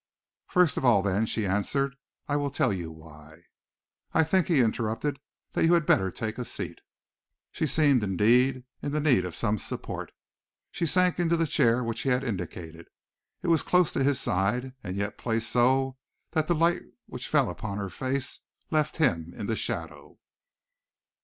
"First of all, then," she answered, "I will tell you why." "I think," he interrupted, "that you had better take a seat." She seemed, indeed, in need of some support. She sank into the chair which he had indicated. It was close to his side, and yet placed so that the light which fell upon her face left him in the shadow.